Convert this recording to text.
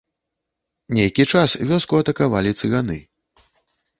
Нейкі час вёску атакавалі цыганы.